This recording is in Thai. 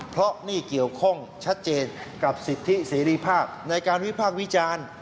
เพราะนี่เกี่ยวข้องชัดเจนกับสิทธิเสรีภาพในการวิพากษ์วิจารณ์